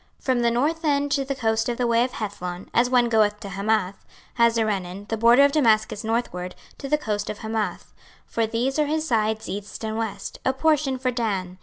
From the north end to the coast of the way of Hethlon, as one goeth to Hamath, Hazarenan, the border of Damascus northward, to the coast of Hamath; for these are his sides east and west; a portion for Dan.